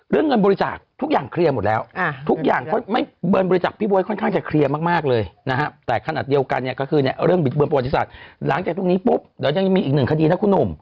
เรื่องเงินบริจาคทุกอย่างเคลียร์หมดแล้วทุกอย่างพี่บ๊วยค่อนข้างจะเคลียร์มากเลยนะฮะแต่ขนาดเดียวกันเนี่ยก็คือเนี่ยเรื่องบิดเบือนประวัติศาสตร์หลังจากตรงนี้ปุ๊บเดี๋ยวยังมีอีกหนึ่งคดีนะคุณหนุ่ม